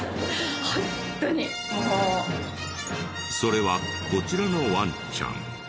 それはこちらのワンちゃん。